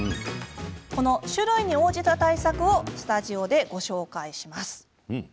種類に応じた対策をスタジオで紹介します。